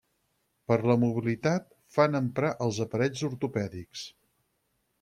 Per la mobilitat fan emprar els aparells ortopèdics.